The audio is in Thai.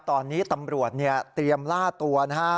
ตอนนี้ตำรวจเนี่ยเตรียมล่าตัวนะฮะ